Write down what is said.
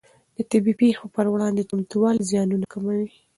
د طبیعي پېښو پر وړاندې چمتووالی زیانونه کموي.